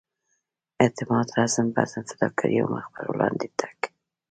اعتماد رزم بزم فداکارۍ او مخ پر وړاندې تګ.